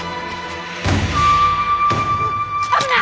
危ない！